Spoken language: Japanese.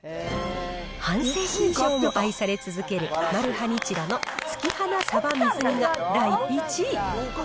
半世紀以上も愛され続けるマルハニチロの月花さば水煮が第１位。